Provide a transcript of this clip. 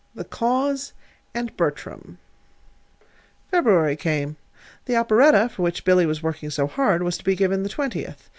THE CAUSE AND BERTRAM February came The operetta, for which Billy was working so hard, was to be given the twentieth.